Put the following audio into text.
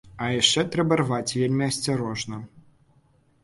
А яшчэ трэба рваць вельмі асцярожна.